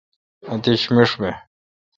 اتش مݭ بہ۔